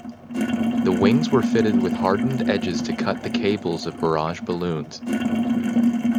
The wings were fitted with hardened edges to cut the cables of barrage balloons.